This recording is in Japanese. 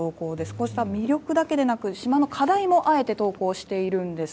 こうした、魅力だけでなく、島の課題もあえて投稿しているんです。